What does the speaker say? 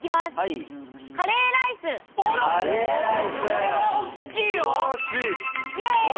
これはおっきいよ！